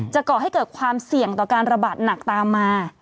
ก่อให้เกิดความเสี่ยงต่อการระบาดหนักตามมา